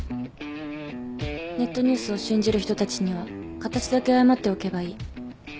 ネットニュースを信じる人たちには形だけ謝っておけばいい。